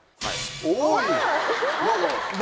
おい！